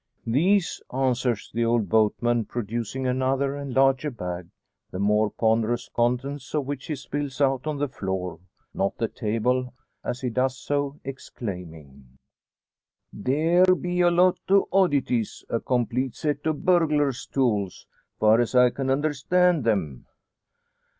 "These!" answers the old boatman, producing another and larger bag, the more ponderous contents of which he spills out on the floor, not the table; as he does so exclaiming, "Theere be a lot o' oddities! A complete set o' burglar's tools far as I can understand them."